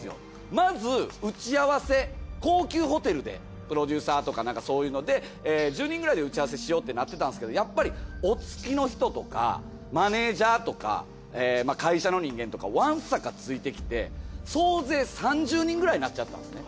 まず打ち合わせ高級ホテルでプロデューサーとかなんかそういうので１０人くらいで打ち合わせしようってなってたんですけどやっぱりお付きの人とかマネージャーとかまぁ会社の人間とかわんさかついてきて総勢３０人くらいになっちゃったんですね。